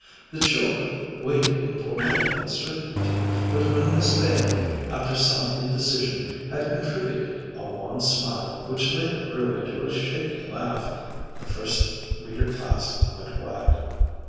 The children waited in polite uncertainty, but when Miss Bailey, after some indecision, had contributed a wan smile, which later grew into a shaky laugh, the First Reader Class went wild.